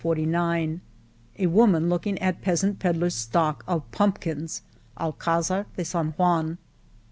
46 A woman looking at peasant pedler' s stock of pump kins — Alcdzar de San Juan